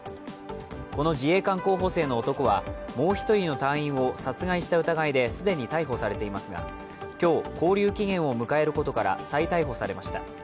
この自衛官候補生の男はもう１人の隊員を殺害した疑いで既に逮捕されていますが今日、勾留期限を迎えることから再逮捕されました。